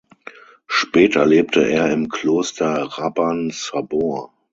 Später lebte er im Kloster Rabban Sabor.